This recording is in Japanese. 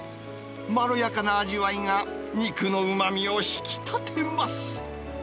まろやかな味わいが肉のうまみを引き立てます。